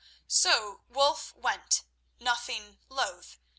So Wulf went, nothing loth.